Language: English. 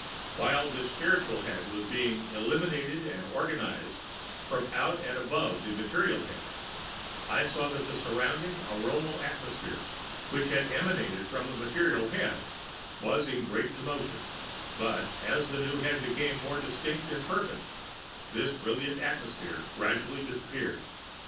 While this spiritual head was being eliminated and organized from out of[Pg 197] and above the material head, I saw that the surrounding aromal atmosphere which had emanated from the material head was in great commotion; but, as the new head became more distinct and perfect, this brilliant atmosphere gradually disappeared.